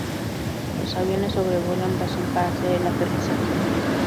Los aviones sobrevuelan Brasil para hacer el aterrizaje.